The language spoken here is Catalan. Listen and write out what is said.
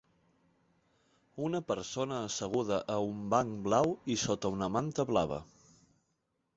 Una persona asseguda a un banc blau i sota una manta blava.